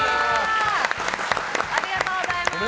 ありがとうございます。